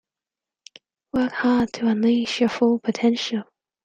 Work hard to unleash your full potential.